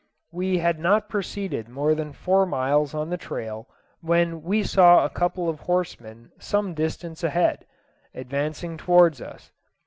We had not proceeded more than four miles on the trail when we saw a couple of horsemen some distance ahead; advancing towards us.